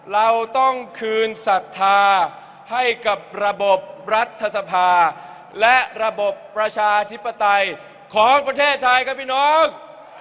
เราต้องคืนศรัทธาให้กับระบบรัฐสภาและระบบประชาธิปไตยของประเทศไทยครับพี่น้อง